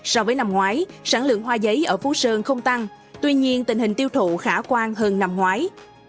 so với năm ngoái sản lượng hoa giấy ở phú sơn không tăng tuy nhiên tình hình tiêu thụ khả quan hơn năm ngoái